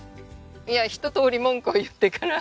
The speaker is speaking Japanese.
いやひととおり文句を言ってから。